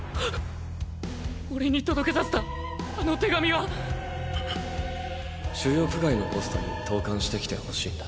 オレに届けさせたあの手紙は⁉収容区外のポストに投函してきてほしいんだ。